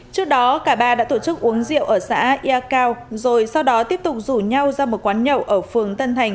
trước đó cả ba đã tổ chức uống rượu ở xã yao rồi sau đó tiếp tục rủ nhau ra một quán nhậu ở phường tân thành